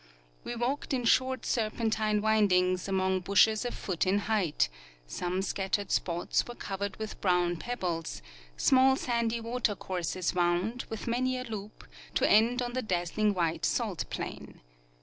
We walked in short serpentine windings among bushes a foot in height ; some scattered spots were covered with brown pebbles ; small sandy water courses Avound, with many a loop, to end on the dazzling white salt plain.